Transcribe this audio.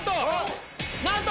なんと！